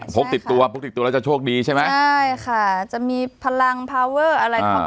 พกติดตัวพกติดตัวแล้วจะโชคดีใช่ไหมใช่ค่ะจะมีพลังพาวเวอร์อะไร